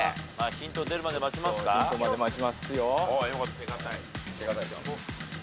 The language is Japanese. ヒントまで待ちますよ。